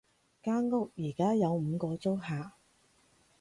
間屋而家有五個租客